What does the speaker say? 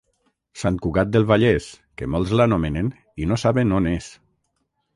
Sant Cugat del Vallès, que molts l'anomenen i no saben on és.